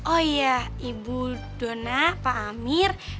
oh iya ibu dona pak amir